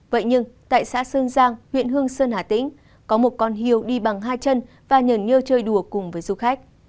vậy nhưng tại xã sơn giang huyện hương sơn hà tĩnh có một con heo đi bằng hai chân và nhờn nhơ chơi đùa cùng với du khách